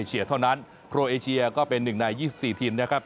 เชียร์เท่านั้นโครเอเชียก็เป็นหนึ่งใน๒๔ทีมนะครับ